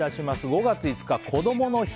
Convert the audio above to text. ５月５日、こどもの日。